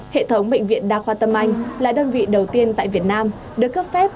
hệ thống bệnh viện đa khoa tâm anh là đơn vị đầu tiên tại việt nam được cấp phép